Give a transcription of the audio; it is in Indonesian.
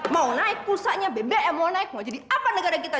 mau naik pusatnya bbm mau naik mau jadi apa negara kita